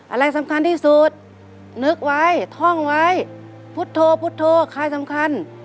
อะไรสำคัญที่สุดนึกไว้ท่องไว้พุทธโธพุทธโธคลายสำคัญ